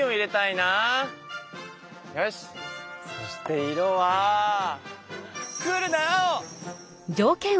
そして色はクールな青！